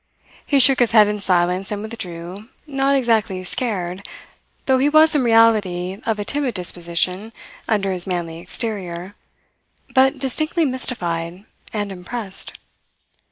He shook his head in silence and withdrew, not exactly scared though he was in reality of a timid disposition under his manly exterior but distinctly mystified and impressed.